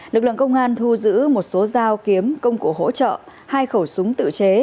lực lượng công an thu giữ một số dao kiếm công cụ hỗ trợ hai khẩu súng tự chế